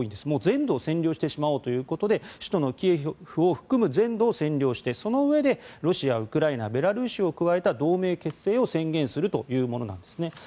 もう全土を占領してしまおうということで首都のキエフを含む全土を占領してそのうえでロシア、ウクライナベラルーシを加えた同盟結成を宣言するというものです。